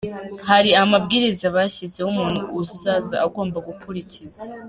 Hari amabwiriza bashyizeho umuntu uzaza agomba gukurikiza.